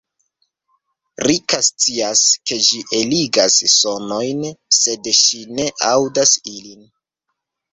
Rika scias, ke ĝi eligas sonojn, sed ŝi ne aŭdas ilin.